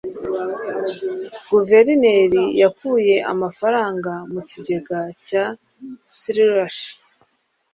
Guverineri yakuye amafaranga mu kigega cya slush.